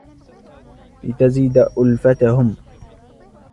لِتَزِيدَ أُلْفَتُهُمْ